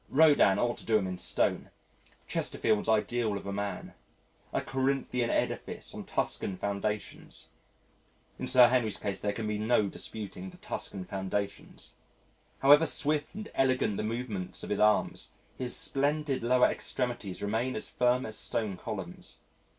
Rodin ought to do him in stone Chesterfield's ideal of a man a Corinthian edifice on Tuscan foundations. In Sir Henry's case there can be no disputing the Tuscan foundations. However swift and elegant the movements of his arms, his splendid lower extremities remain as firm as stone columns.